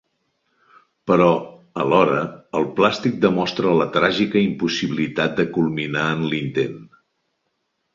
Però, alhora, el plàstic demostra la tràgica impossibilitat de culminar en l'intent.